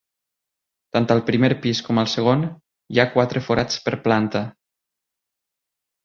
Tant al primer pis com al segon, hi ha quatre forats per planta.